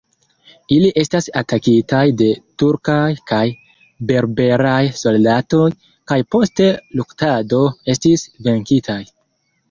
Ili estis atakitaj de turkaj kaj berberaj soldatoj, kaj post luktado, estis venkitaj.